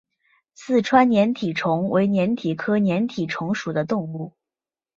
四川粘体虫为粘体科粘体虫属的动物。